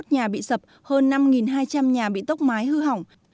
ba trăm năm mươi một nhà bị sập hơn năm hai trăm linh nhà bị tốc mái hư hỏng